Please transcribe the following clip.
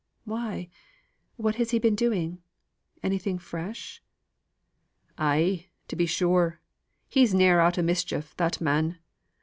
"Why? What has he been doing? Anything fresh?" "Ay, to be sure. He's ne'er out o' mischief, that man.